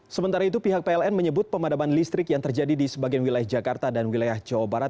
sementara itu pihak pln menyebut pemadaman listrik yang terjadi di sebagian wilayah jakarta dan wilayah jawa barat